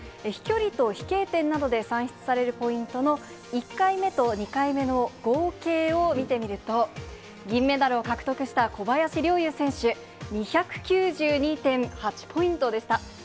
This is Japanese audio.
飛距離と飛型点などで算出されるポイントの１回目と２回目の合計を見てみると、銀メダルを獲得した小林陵侑選手、２９２．８ポイントでした。